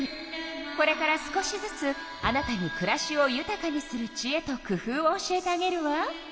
これから少しずつあなたにくらしをゆたかにするちえとくふうを教えてあげるわ。